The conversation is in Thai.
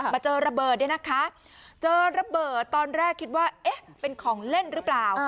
เจอระเบิดเนี่ยนะคะเจอระเบิดตอนแรกคิดว่าเอ๊ะเป็นของเล่นหรือเปล่า